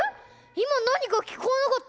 いまなにかきこえなかった？